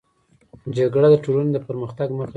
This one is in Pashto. جګړه د ټولني د پرمختګ مخه نيسي.